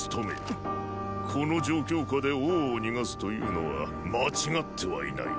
この状況下で王を逃がすというのは間違ってはいない。